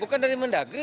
bukan dari mendagri